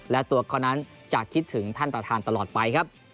และตัวเขานั้นจะคิดถึงท่านประธานตลอดไปครับ